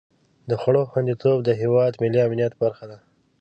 د خوړو خوندیتوب د هېواد ملي امنیت برخه ده.